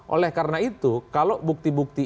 oleh karena itu kalau bukti bukti